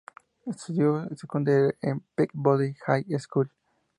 Estudió secundaria en "Peabody High School".